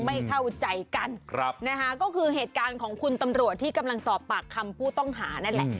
ไม่เข้าใจกันนะคะก็คือเหตุการณ์ของคุณตำรวจที่กำลังสอบปากคำผู้ต้องหานั่นแหละ